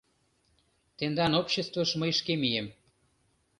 — Тендан обществыш мый шке мием.